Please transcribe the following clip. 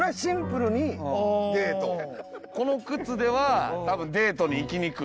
この靴では多分デートに行きにくい。